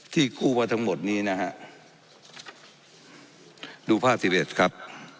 กู้มาทั้งหมดนี้นะฮะดูภาพสิบเอ็ดครับ